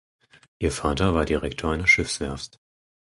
Ihr Vater war Direktor einer Schiffswerft.